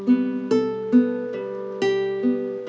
เอาหรอ